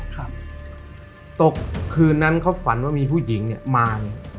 ตกคืนนั้นเขาฝันว่ามีผู้หญิงเนี่ยมา